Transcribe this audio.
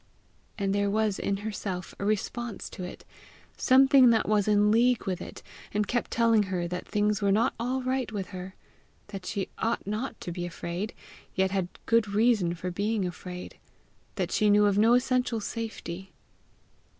And there was in herself a response to it something that was in league with it, and kept telling her that things were not all right with her; that she ought not to be afraid, yet had good reason for being afraid; that she knew of no essential safety.